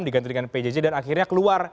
diganti dengan pjj dan akhirnya keluar